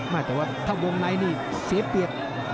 มาแต่ว่าถ้าวงในนี่เสียเปรียบ